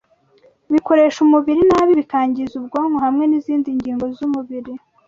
Bikoresha umubiri nabi bikangiza ubwonko hamwe n’izindi ngingo z’umubiri